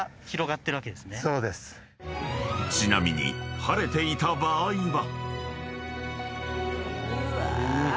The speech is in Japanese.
［ちなみに晴れていた場合は］